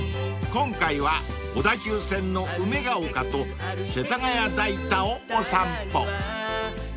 ［今回は小田急線の梅丘と世田谷代田をお散歩］